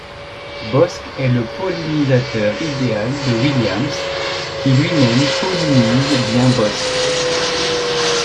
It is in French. Bosc est le pollinisateur idéal de Williams, qui lui-même pollinise bien Bosc.